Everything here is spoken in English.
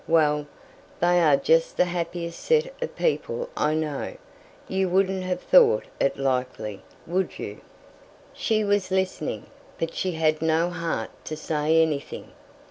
Well they are just the happiest set of people I know you wouldn't have thought it likely, would you?" She was listening, but she had no heart to say anything.